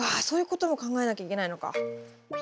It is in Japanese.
そういうことも考えなきゃいけないのか。